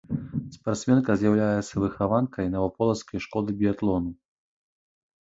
Спартсменка з'яўляецца выхаванкай наваполацкай школы біятлону.